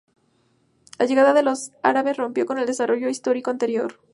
La llegada de los árabes rompió con el desarrollo histórico anterior.